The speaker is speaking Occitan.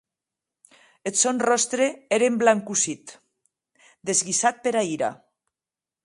Eth sòn ròstre ère esblancossit, desguisat pera ira.